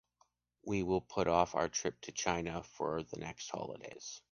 We will put off our trip to China for the next holidays.